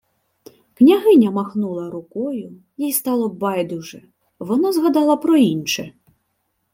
Княгиня махнула рукою, їй стало байдуже. Вона згадала про інше: